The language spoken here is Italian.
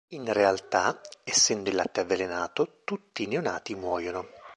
In realtà, essendo il latte avvelenato, tutti i neonati muoiono.